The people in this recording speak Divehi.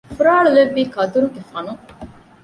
ފުރާޅުލެއްވީ ކަދުރުގެ ފަނުން